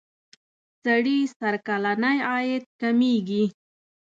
سړي سر کلنی عاید کمیږي.